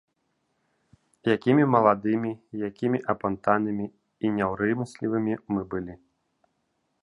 Якімі маладымі, якімі апантанымі і няўрымслівымі мы былі.